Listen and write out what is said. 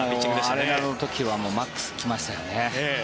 アレナドの時はマックス来ましたよね。